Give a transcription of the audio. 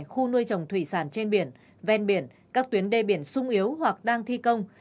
khu nuôi trồng thủy sản trên biển ven biển các tuyến đê biển sung yếu hoặc đang thi công